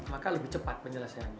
maka lebih cepat penjelasannya